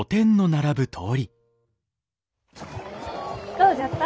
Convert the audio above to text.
どうじゃった？